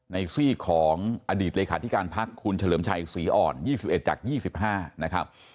ซีกของอดีตเลขาธิการพักคุณเฉลิมชัยศรีอ่อน๒๑จาก๒๕นะครับ